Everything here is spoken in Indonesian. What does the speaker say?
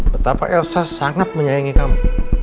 betapa elsa sangat menyayangi kamu